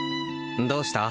どうした？